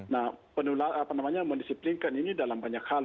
nah apa namanya mendisiplinkan ini dalam banyak hal